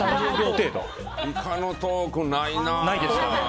イカのトークないな。